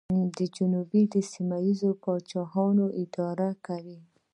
جنوب یې سیمه ییزو پاچاهانو اداره کاوه